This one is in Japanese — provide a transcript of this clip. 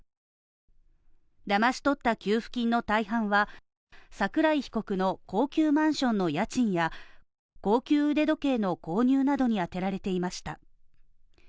騙し取った給付金の大半は、桜井被告の高級マンションの家賃や高級時計の購入などに充てられていました。